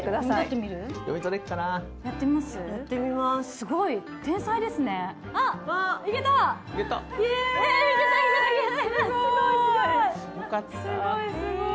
すごいすごい！